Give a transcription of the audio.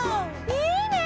いいね！